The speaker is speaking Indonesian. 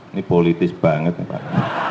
ini politis banget pak